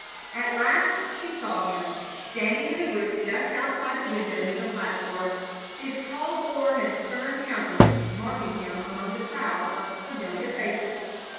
At last she saw him, standing in a group just outside the window near the platform, his tall form and stern countenance marking him among the crowd of familiar faces.